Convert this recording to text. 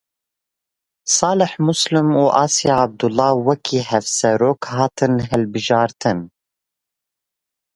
Salih Muslim û Asya Ebdulah wekî hevserok hatin hilbijartin.